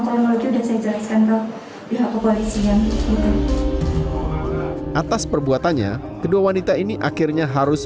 kurang lagi udah saya jelaskan ke pihak kepolisian atas perbuatannya kedua wanita ini akhirnya harus